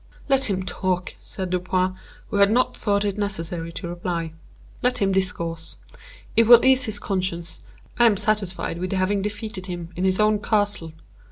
"Let him talk," said Dupin, who had not thought it necessary to reply. "Let him discourse; it will ease his conscience, I am satisfied with having defeated him in his own castle.